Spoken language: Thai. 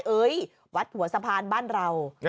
เอ้ยวัดหัวสะพานบ้านเรา